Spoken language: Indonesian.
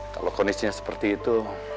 kalau kondisinya seperti itu